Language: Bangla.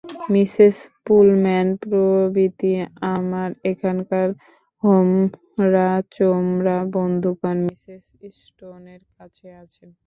মিসেস পুলম্যান প্রভৃতি আমার এখানকার হোমরাচোমরা বন্ধুগণ মিসেস স্টোনের কাছে আছেন।